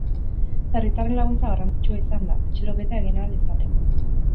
Herritarren laguntza garrantzitsua izan da, atxiloketa egin ahal izateko.